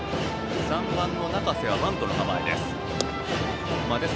３番の中瀬はバントの構えです。